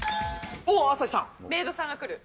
メイドさんが来る。